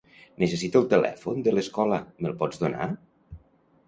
Necessito el telèfon de l'escola, me'l pots donar?